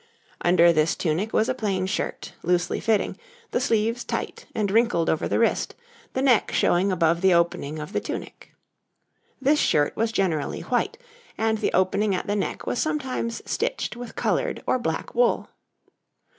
Under this tunic was a plain shirt, loosely fitting, the sleeves tight and wrinkled over the wrist, the neck showing above the opening of the tunic. This shirt was generally white, and the opening at the neck was sometimes stitched with coloured or black wool.